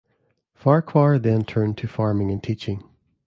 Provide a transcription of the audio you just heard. Farquhar then turned to farming and teaching.